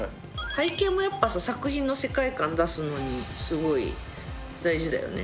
背景もやっぱ作品の世界観出す、すごい大事だよね。